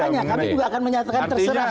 banyak kami juga akan menyatakan terserah